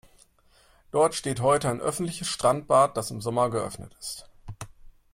Dort steht heute ein öffentliches Strandbad, das im Sommer geöffnet ist.